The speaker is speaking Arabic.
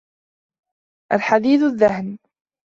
الْحَدِيدِ الذِّهْنِ